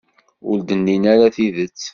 Ur d-nnin ara tidet.